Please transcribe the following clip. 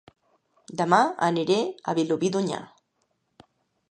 Dema aniré a Vilobí d'Onyar